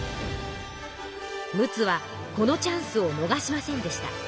陸奥はこのチャンスをのがしませんでした。